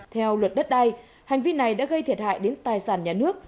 theo luật đất đai hành vi này đã gây thiệt hại đến tài sản nhà nước